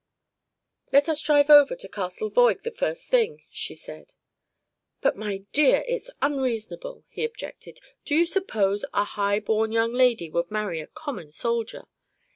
"Let us drive over to Castle Voig the first thing," she said. "But, my dear, it's unreasonable," he objected. "Do you suppose a high born young lady would marry a common soldier?